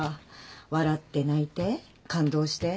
笑って泣いて感動して。